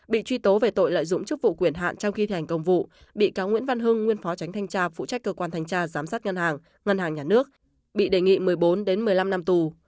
bị truy tố về tội lợi dụng chức vụ quyền hạn trong khi thi hành công vụ bị cáo nguyễn văn hưng nguyên phó tránh thanh tra phụ trách cơ quan thanh tra giám sát ngân hàng ngân hàng nhà nước bị đề nghị một mươi bốn một mươi năm năm tù